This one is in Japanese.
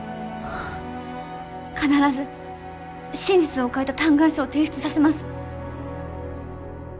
必ず真実を書いた嘆願書を提出させます。